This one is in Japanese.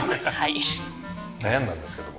悩んだんですけども。